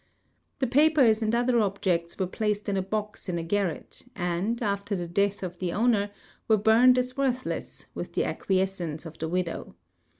The ])aj)ers and other objects were placed in a box in a garret and, after the death of the owner, were burned as worthless, with the ac({uiescence of the widow.